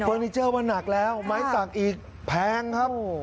เฟอร์นิเจอร์มาหนักแล้วไม้สักอีกแพงครับ